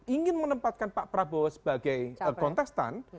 ingin menempatkan pak prabowo sebagai kontestan